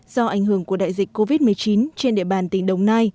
do ảnh hưởng của đại dịch covid một mươi chín trên địa bàn tỉnh đồng nai